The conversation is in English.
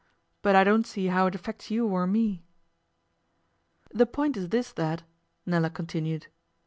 But I don't see how it affects you or me.' 'The point is this, Dad,' Nella continued.